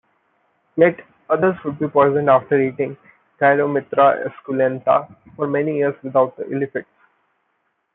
Yet others would be poisoned after eating "Gyromitra esculenta" for many years without ill-effects.